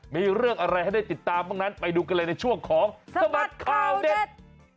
มีเรื่องอะไรให้ได้ติดตามบ้างนั้นไปดูกันเลยในช่วงของสบัดข่าวเด็ด